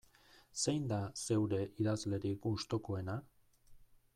Zein da zeure idazlerik gustukoena?